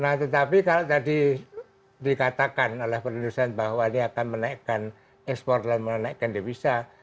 nah tetapi kalau tadi dikatakan oleh produsen bahwa ini akan menaikkan ekspor dan menaikkan devisa